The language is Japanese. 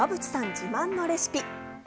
自慢のレシピ。